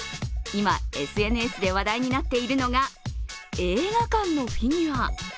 今、ＳＮＳで話題になっているのが映画館のフィギュア。